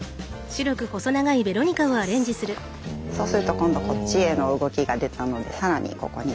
そうすると今度こっちへの動きが出たので更にここに。